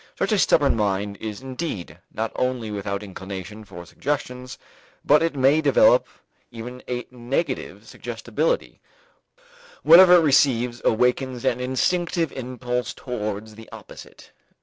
Such a stubborn mind is indeed not only without inclination for suggestions, but it may develop even a negative suggestibility; whatever it receives awakens an instinctive impulse towards the opposite.